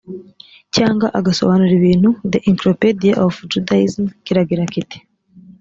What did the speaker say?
cyangwa agasobanura ibintu the encyclopedia of judaism kiragira kiti